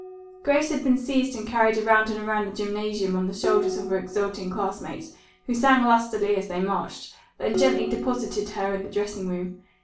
Grace had been seized and carried around and around the gymnasium on the shoulders of her exulting classmates, who sang lustily as they marched, then gently deposited her in the dressing room.